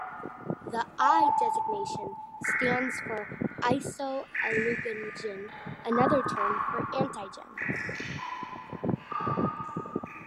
The "I" designation stands for isoagglutinogen, another term for antigen.